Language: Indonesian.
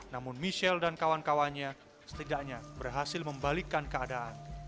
namun michelle dan kawan kawannya setidaknya berhasil membalikkan keadaan